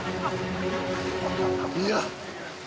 いや。